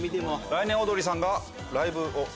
来年オードリーさんがライブを。